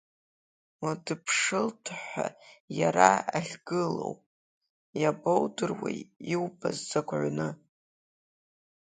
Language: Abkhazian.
Уадыԥшылт ҳәа иара ахьгылоу, иабоудыруеи иубаз закә ҩну?